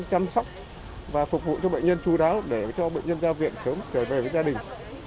chăm sóc và phục vụ cho bệnh nhân chú đáo để cho bệnh nhân ra viện sớm trở về với gia đình